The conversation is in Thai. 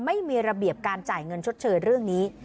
ไม่มีระเบียบการจ่ายเงินชดเชยเรื่องนี้